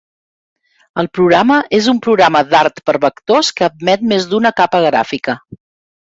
El programa és un programa d'art per vectors que admet més d'una capa gràfica.